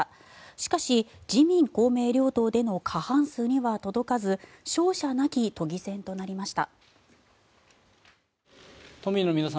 しかし、自民・公明両党での過半数には届かず勝者なき都議選となりました。